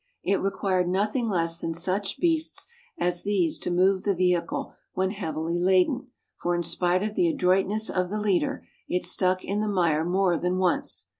It required nothing less than such beasts as these to move the vehicle when heavily laden, for in spite of the adroitness of the " leader," it stuck in the mire more than once.